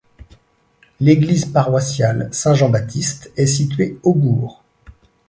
L'église paroissiale Saint-Jean-Baptiste est située au bourg.